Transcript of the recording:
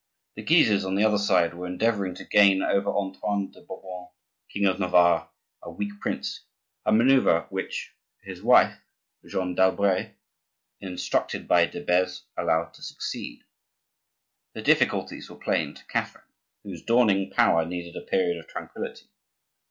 The Guises, on their side, were endeavoring to gain over Antoine de Bourbon, king of Navarre, a weak prince; a manoeuvre which his wife, Jeanne d'Albret, instructed by de Beze, allowed to succeed. The difficulties were plain to Catherine, whose dawning power needed a period of tranquillity.